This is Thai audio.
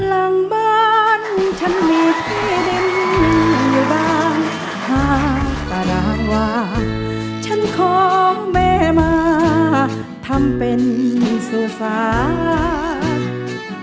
หลังบ้านฉันมีที่ดินอยู่บ้านห่างตารางวาฉันของแม่มาทำเป็นสุสาน